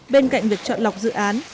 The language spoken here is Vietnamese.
bên cạnh việc chọn lọc dự án